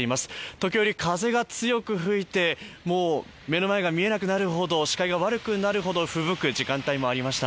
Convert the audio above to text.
時折、風が強く吹いて、目の前が見えなくなるほど視界が悪くなるほど吹雪く時間帯もありました。